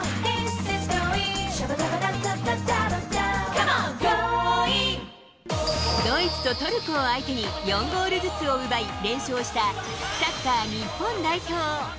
この後ドイツとトルコを相手に、４ゴールずつを奪い、連勝したサッカー日本代表。